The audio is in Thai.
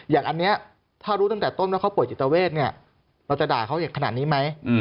แต่อันนี้ถ้ารู้ตั้งแต่ต้มแล้วเขาป่วยจิตเวศเราจะด่าเขาอย่างขนาดนี้ไหม